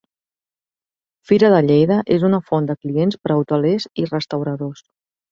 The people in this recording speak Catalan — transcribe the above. Fira de Lleida és una font de clients per a hotelers i restauradors.